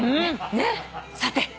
さて！